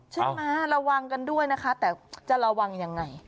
ใช่ไหมระวังกันด้วยนะคะแต่จะระวังยังไง